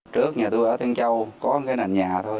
trước nhà tôi ở tân châu có một cái nền nhà thôi